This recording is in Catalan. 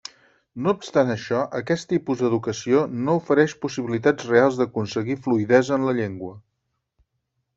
No obstant això, aquest tipus d'educació no ofereix possibilitats reals d'aconseguir fluïdesa en la llengua.